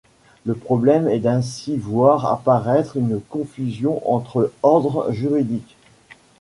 Le problème est d’ainsi voir apparaitre une confusion entre ordres juridiques.